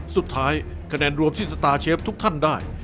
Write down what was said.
คะแนนรวมที่สตาร์เชฟทุกท่านได้